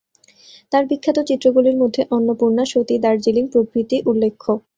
তার বিখ্যাত চিত্রগুলির মধ্যে অন্নপূর্ণা, সতী, দার্জিলিং প্রভৃতি উল্লেখ্য।